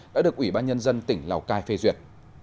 đã được ủy ban nhân dân tỉnh lào cai phê duyệt